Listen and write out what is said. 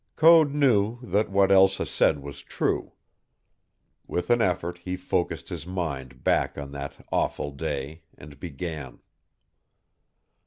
Code knew that what Elsa said was true. With an effort he focused his mind back on that awful day and began.